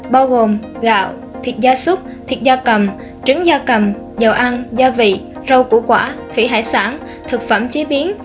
bao gồm gạo thịt gia súc thịt da cầm trứng da cầm dầu ăn gia vị rau củ quả thủy hải sản thực phẩm chế biến